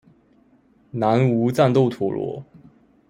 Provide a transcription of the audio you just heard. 南無戰鬥陀螺